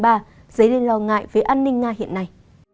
dấy lên lo ngại về an ninh nga hiện nay